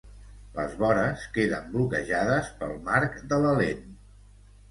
Les vores queden bloquejades pel marc de la lent.